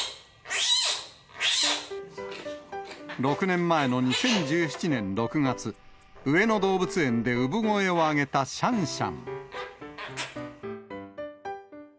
６年前の２０１７年６月、上野動物園で産声を上げたシャンシャン。